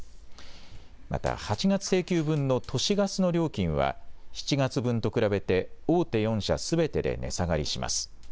また８月請求分の都市ガスの料金は７月分と比べて大手４社すべてで値下がりします。